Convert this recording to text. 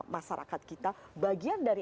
masyarakat kita bagian dari